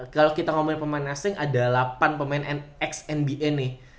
kalau kita ngomongin pemain asing ada delapan pemain x nba nih